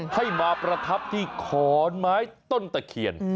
ให้มาประทับที่ขอนไม้ต้นตะเคียน